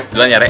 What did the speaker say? duluan ya rek